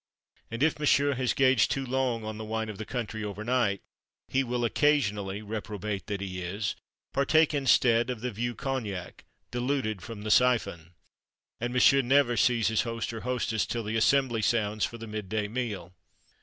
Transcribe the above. And if M'sieu has gazed too long on the wine of the country, overnight, he will occasionally reprobate that he is partake instead of the vieux cognac, diluted from the syphon. And M'sieu never sees his host or hostess till the "assembly" sounds for the midday meal.